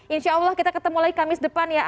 insya allah kita ketemu lagi kamis depan ya